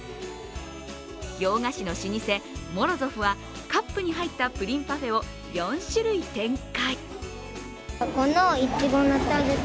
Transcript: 洋菓子の老舗、モロゾフはカップに入ったプリンパフェを４種類展開。